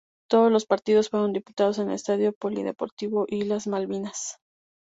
Todos los partidos fueron disputados en el Estadio Polideportivo Islas Malvinas.